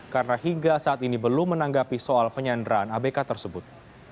karena hingga saat ini belum menanggapi soal penyanderaan abk tersebut